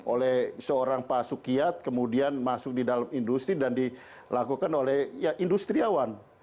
oleh seorang pak sukiat kemudian masuk di dalam industri dan dilakukan oleh industriawan